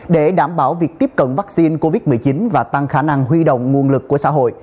để đảm bảo việc tiếp cận vaccine covid một mươi chín và tăng khả năng huy động nguồn lực của xã hội